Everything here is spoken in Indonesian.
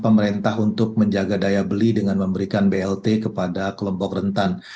pemerintah untuk menjaga daya beli dengan memberikan blt kepada kelompok rentan